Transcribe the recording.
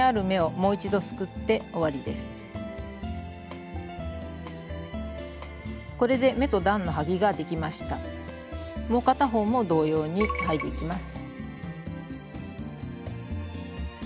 もう片方も同様にはいでいきます。